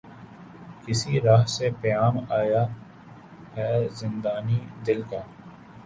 کس رہ سے پیام آیا ہے زندانئ دل کا